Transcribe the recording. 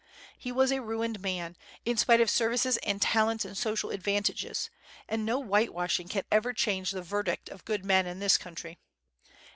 He was a ruined man, in spite of services and talents and social advantages; and no whitewashing can ever change the verdict of good men in this country.